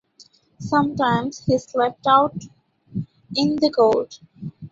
Sometimes he slept out in the cold.